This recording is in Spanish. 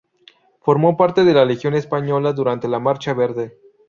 Formó parte de la Legión Española durante la marcha verde.